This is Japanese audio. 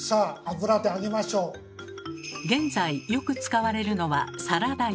現在よく使われるのは「サラダ油」。